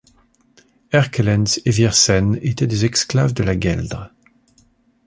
Erkelenz et Viersen étaient des exclaves de la Gueldre.